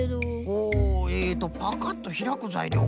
ほうえっとパカッとひらくざいりょうか。